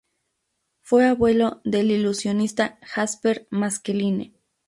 Fue abuelo del ilusionista Jasper Maskelyne.